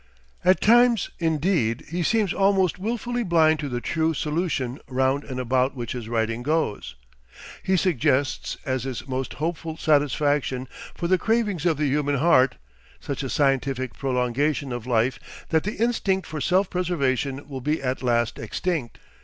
At times, indeed, he seems almost wilfully blind to the true solution round and about which his writing goes. He suggests as his most hopeful satisfaction for the cravings of the human heart, such a scientific prolongation of life that the instinct for self preservation will be at last extinct.